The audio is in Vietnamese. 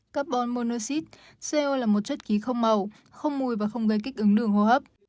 các bọn monoxid co là một chất ký không màu không mùi và không gây kích ứng đường hô hấp